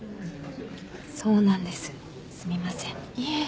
そうなんですすみませんいえ